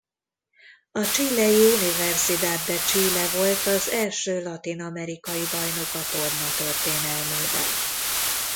A chilei Universidad de Chile volt az első latin-amerikai bajnok a torna történelmében.